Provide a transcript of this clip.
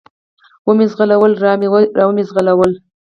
و مې زغلوله، را ومې زغلوله.